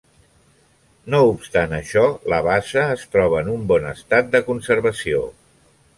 No obstant això, la bassa es troba en un bon estat de conservació.